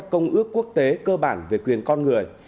công ước quốc tế cơ bản về quyền con người